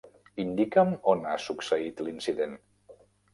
Indica'm on ha succeït l'incident.